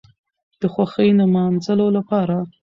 د خوښۍ نماځلو لپاره